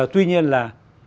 tuy nhiên là